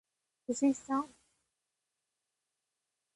っそしっさん。